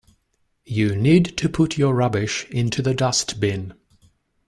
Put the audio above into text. You need to put your rubbish into the dustbin